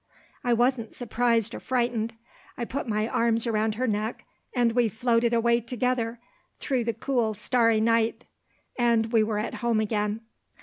I wasn't surprised or frightened; I put my arms round her neck; and we floated away together through the cool starry night; and we were at home again.